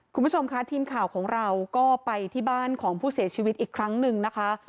คุณผู้ชมค่ะทีมข่าวของเราก็ไปที่บ้านของผู้เสียชีวิตอีกครั้งหนึ่งนะคะ